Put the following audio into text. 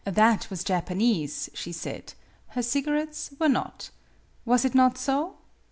That was Japanese, she said, her cigarettes were not. Was it not so